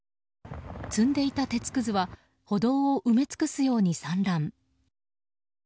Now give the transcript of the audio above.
積んでいた鉄くずは歩道を埋め尽くすように散乱。